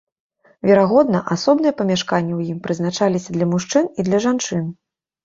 Верагодна, асобныя памяшканні ў ім прызначаліся для мужчын і для жанчын.